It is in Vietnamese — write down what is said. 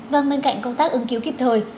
vâng bên cạnh công tác ứng cứu kịp thời